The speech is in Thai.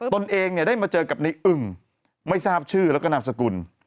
ตนเองเนี่ยได้มาเจอกับในอึ่งไม่ทราบชื่อแล้วก็นามสกุล